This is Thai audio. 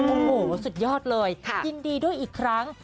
โอ้โหสุดยอดเลยยินดีด้วยอีกครั้ง